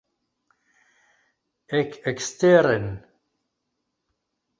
Ekeksteren!